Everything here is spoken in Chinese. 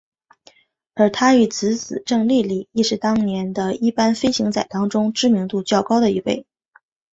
而他与姊姊郑丽丽亦是当年的一班飞机仔当中知名度较高的一位。